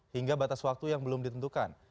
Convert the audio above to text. hingga batas waktu yang belum ditentukan